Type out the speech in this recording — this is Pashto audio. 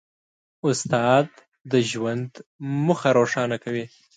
استاد د ژوند موخه روښانه کوي.